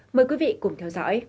mời quý vị cùng theo dõi